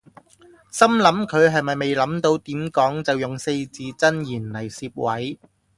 心諗佢係咪未諗到點講就用四字真言嚟攝位